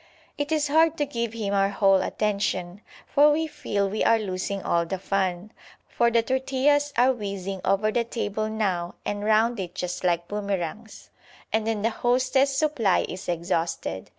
It is hard to give him our whole attention, for we feel we are losing all the fun. For the tortillas are whizzing over the table now and round it just like boomerangs, and then the hostess's supply is exhausted.